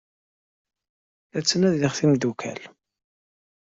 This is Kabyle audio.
La ttnadiɣ timeddukal.